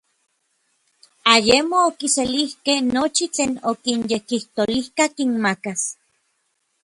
Ayemo okiselijkej nochi tlen okinyekijtolijka kinmakas.